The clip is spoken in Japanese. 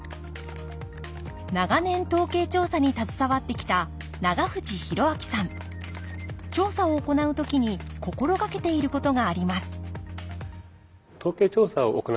長年統計調査に携わってきた調査を行う時に心掛けていることがあります